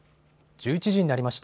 １１時になりました。